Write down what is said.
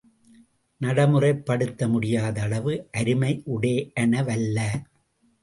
நடைமுறைப்படுத்த முடியாத அளவு அருமையுடையனவல்ல.